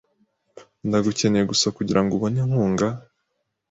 Ndagukeneye gusa kugirango ubone inkunga .